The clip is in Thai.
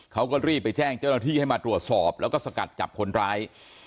เขาก็รีบไปแจ้งเจ้าหน้าที่ให้มาตรวจสอบแล้วก็สกัดจับคนร้าย